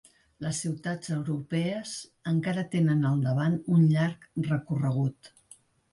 Les ciutats europees encara tenen al davant un llarg recorregut.